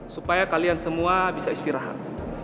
supaya kalian semua bisa istirahat